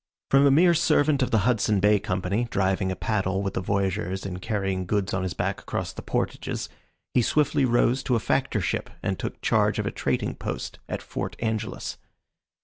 From a mere servant of the Hudson Bay Company, driving a paddle with the voyageurs and carrying goods on his back across the portages, he swiftly rose to a Factorship and took charge of a trading post at Fort Angelus.